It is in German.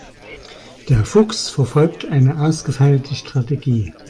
Der Fuchs verfolgt eine ausgefeilte Strategie.